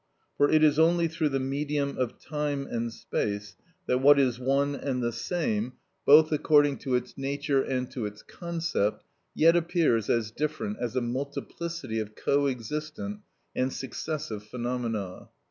For it is only through the medium of time and space that what is one and the same, both according to its nature and to its concept, yet appears as different, as a multiplicity of co existent and successive phenomena.